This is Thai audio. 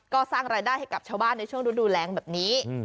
ก็สร้างรายได้ให้กับชาวบ้านในช่วงฤดูแรงแบบนี้